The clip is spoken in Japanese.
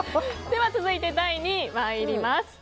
では続いて第２位、参ります。